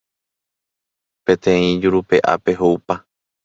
Peteĩ jurupe'ápe ho'upa.